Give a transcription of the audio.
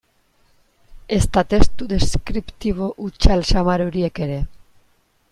Ezta testu deskriptibo hutsal samar horiek ere.